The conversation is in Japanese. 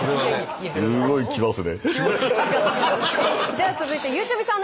じゃあ続いてゆうちゃみさん